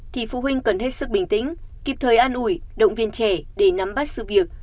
thì phụ huynh cần hết sức bình tĩnh kịp thời an ủi động viên trẻ để nắm bắt sự việc